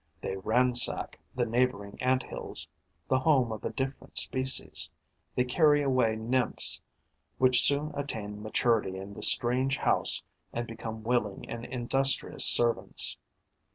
They ransack the neighbouring Ant hills, the home of a different species; they carry away nymphs, which soon attain maturity in the strange house and become willing and industrious servants.